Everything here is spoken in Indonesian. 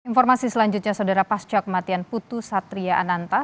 informasi selanjutnya saudara pasca kematian putu satria ananta